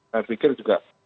saya pikir juga